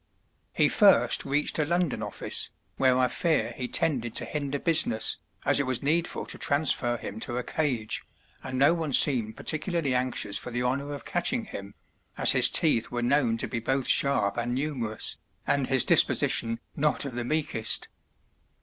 He first reached a London office, where I fear he tended to hinder business, as it was needful to transfer him to a cage, and no one seemed particularly anxious for the honour of catching him, as his teeth were known to be both sharp and numerous, and his disposition not of the meekest.